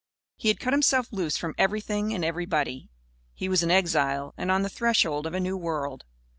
He had cut himself loose from everything and everybody. He was an exile and on the threshold of a new world.